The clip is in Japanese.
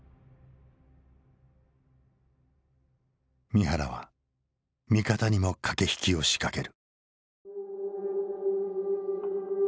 三原は味方にも駆け引きを仕掛ける。